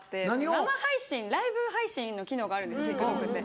生配信ライブ配信の機能があるんですＴｉｋＴｏｋって。